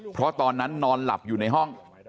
เพราะตอนนั้นนอนหลับอยู่ในห้อง